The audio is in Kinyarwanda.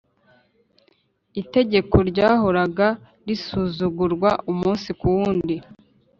Itegeko ryahoraga risuzugurwa umunsi kuwundi